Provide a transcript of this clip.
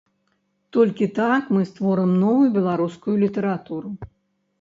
Толькі так мы створым новую беларускую літаратуру.